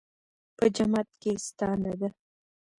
په جماعت کې یې ستانه ده.